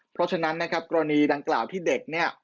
เพราะฉะนั้นนะครับกรณีดังกล่าวที่เด็กเนี่ย